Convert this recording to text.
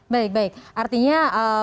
baik baik artinya